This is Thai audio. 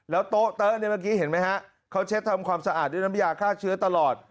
โต๊ะเต๊ะเนี่ยเมื่อกี้เห็นไหมฮะเขาเช็ดทำความสะอาดด้วยน้ำยาฆ่าเชื้อตลอด